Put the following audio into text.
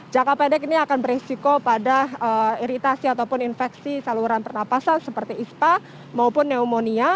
jangka pendek ini akan beresiko pada iritasi ataupun infeksi saluran pernapasan seperti ispa maupun pneumonia